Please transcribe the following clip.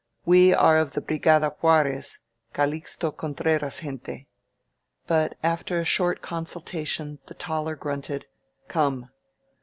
We are of the Brigada Juarez, Calixto Contreras' gente*^ But after a short consulta tion the taller grunted, "Come."